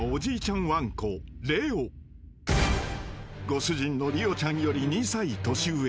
［ご主人の李緒ちゃんより２歳年上］